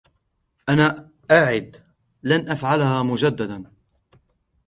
أنا أعد, لن أفعلها مجدداً.